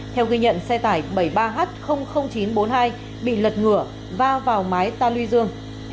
theo ghi nhận xe tải bảy mươi ba h chín trăm bốn mươi hai bị lật ngựa vào mái ta lưu dương